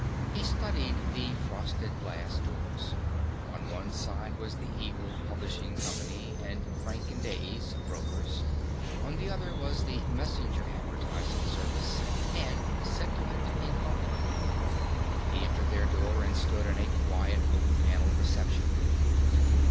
He studied the frosted glass doors. On one side was the Eagle Publishing Company and Frank & Dayles, Brokers. On the other was the Messenger Advertising Service, and Sentiment, Inc. He entered their door and stood in a quiet, oak paneled reception room.